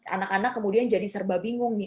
anak anak kemudian jadi serba bingung nih